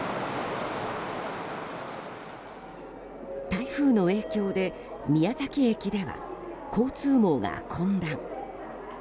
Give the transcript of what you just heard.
台風の影響で宮崎駅では交通網が混乱。